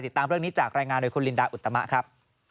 ติดตามเรื่องนี้จากรายงานโดยคุณลินดาอุตมะครับ